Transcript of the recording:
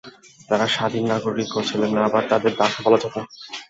তারা স্বাধীন নাগরিকও ছিল না, আবার তাদের দাসও বলা যেত না।